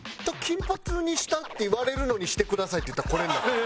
金髪にした？”って言われるのにしてください」って言ったらこれになった。